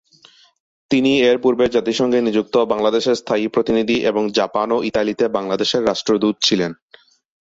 তিনি এরপূর্বে জাতিসংঘে নিযুক্ত বাংলাদেশের স্থায়ী প্রতিনিধি এবং জাপান ও ইতালিতে বাংলাদেশের রাষ্ট্রদূত ছিলেন।